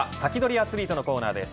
アツリートのコーナーです。